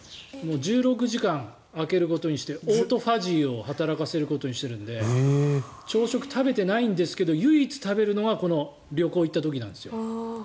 １６時間、空けることにしてオートファジーを働かせることにしてるので朝食を食べてないんですけど唯一食べるのは旅行に行った時なんですよ。